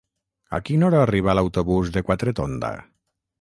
A quina hora arriba l'autobús de Quatretonda?